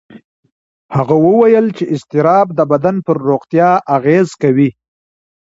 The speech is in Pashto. هغه وویل چې اضطراب د بدن پر روغتیا اغېز کوي.